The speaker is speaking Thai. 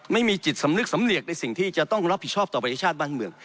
ไม่มีจิตสำนึกสำเนียกในสิ่งที่จะต้องรับผิดชอบต่อประเทศชาติบ้านเมือง